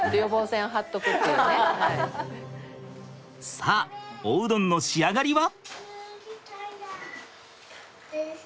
さあおうどんの仕上がりは？